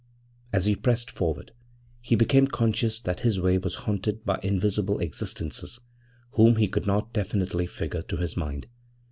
As he pressed forward he became conscious that his way was haunted by invisible existences whom he could not definitely figure to his mind.